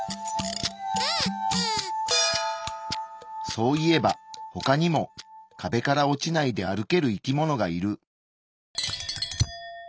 そういえば他にも壁から落ちないで歩ける生き物がいる。